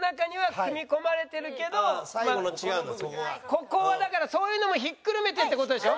ここはだからそういうのもひっくるめてって事でしょ？